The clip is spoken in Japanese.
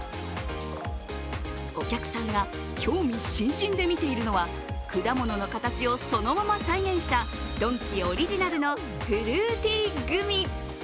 お客さんが興味津々で見ているのは果物の形をそのまま再現した、ドンキオリジナルのフルーティーグミ。